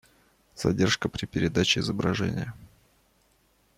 Задержка при передаче изображения